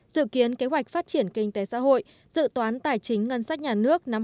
dự kiến kế hoạch phát triển kinh tế xã hội dự toán tài chính ngân sách nhà nước năm hai nghìn hai mươi